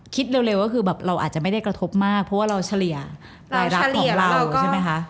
เร็วก็คือแบบเราอาจจะไม่ได้กระทบมากเพราะว่าเราเฉลี่ยรายรับของเราใช่ไหมคะ